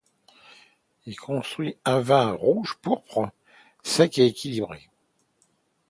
Il produit un vin rouge-pourpre, sec, équilibré.